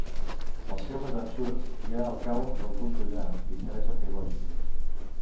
Al seu vessant sud hi ha el Cau del Duc d'Ullà d'interès arqueològic.